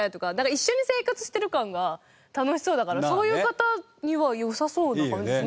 一緒に生活してる感が楽しそうだからそういう方には良さそうな感じしますよね。